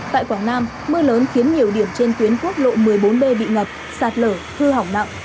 tại quảng nam mưa lớn khiến nhiều điểm trên tuyến quốc lộ một mươi bốn b bị ngập sạt lở hư hỏng nặng